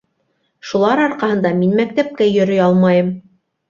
Шулар арҡаһында мин мәктәпкә йөрөй алмайым!